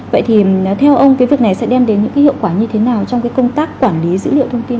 vậy thì theo ông cái việc này sẽ đem đến những cái hiệu quả như thế nào trong cái công tác quản lý dữ liệu thông tin